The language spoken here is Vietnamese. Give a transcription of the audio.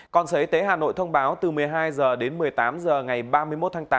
còn sở y tế hà nội thông báo từ một mươi hai h đến một mươi tám h ngày ba mươi một tháng tám